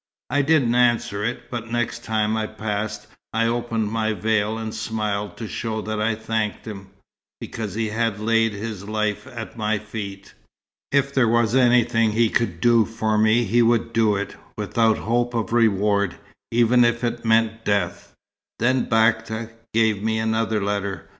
"I didn't answer it; but next time I passed, I opened my veil and smiled to show that I thanked him. Because he had laid his life at my feet. If there was anything he could do for me, he would do it, without hope of reward, even if it meant death. Then Bakta gave me another letter.